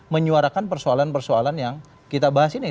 menyuarakan persoalan persoalan yang kita bahas ini